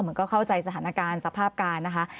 เหมือนก็เข้าใจสถานการณ์สภาพการนะคะ